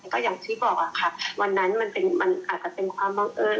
ก็อย่างที่บอกค่ะวันนั้นมันอาจจะเป็นความบังเอิญ